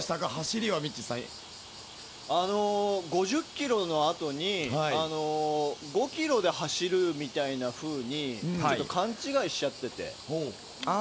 ５０ｋｍのあとに５ｋｍで走るみたいなふうにちょっと勘違いしちゃってて。